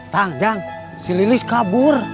kang si lilis kabur